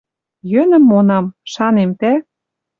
Йӧнӹм монам. Шанем, тӓ